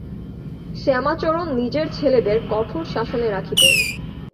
শ্যামাচরণ নিজের ছেলেদের কঠোর শাসনে রাখিতেন।